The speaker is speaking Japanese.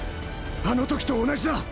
あのときと同じだ。